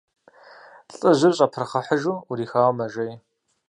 Лӏыжьыр щӀэпырхъыхьыжу Ӏурихауэ мэжей.